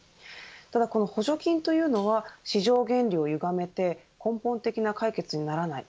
ただ、この補助金というのは市場原理をゆがめて根本的な解決にならない。